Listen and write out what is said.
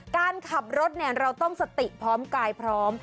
การขับรถเราต้องสติพร้อมกายพร้อม